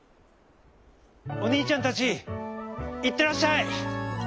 「おにいちゃんたちいってらっしゃい！